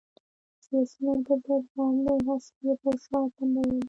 سیاسي مرکزیت هر ډول هڅې یې پر شا تمبولې